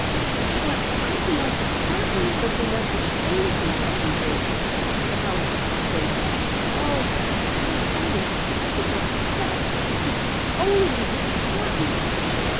"But how can I be certain that the message came from Cousin David?" the housekeeper quavered. "Oh, dear, I am so upset! If only I could be certain."